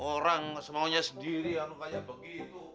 orang semuanya sendiri alukannya begitu